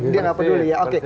dia gak peduli ya